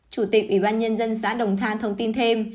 chủ tịch ủy ban nhân dân xã đồng than thông tin thêm